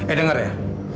eh dengar ya